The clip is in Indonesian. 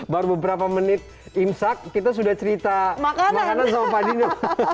baru beberapa menit imsak kita sudah cerita bang hana sama pak dino